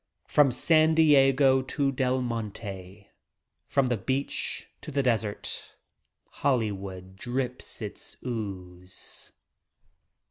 From San Diego to Del Monte, from the beach to the desert Hollywood drips its ooze.